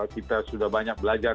kita sudah banyak belajar